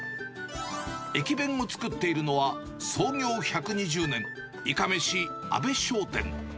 駅弁を作っているのは、創業１２０年、いかめし阿部商店。